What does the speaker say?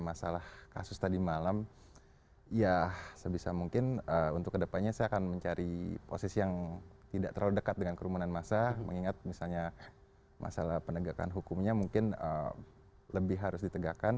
masalah kasus tadi malam ya sebisa mungkin untuk kedepannya saya akan mencari posisi yang tidak terlalu dekat dengan kerumunan massa mengingat misalnya masalah penegakan hukumnya mungkin lebih harus ditegakkan